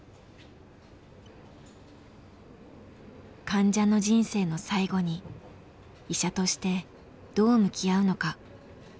患者の人生の最期に医者としてどう向き合うのか。